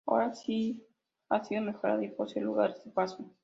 Ahora ha sido mejorada y posee lugares de paso.